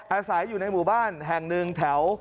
อาศัยอยู่ในหมู่บ้านแห่งหนึ่งแถว